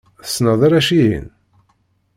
Tessneḍ arrac-ihin?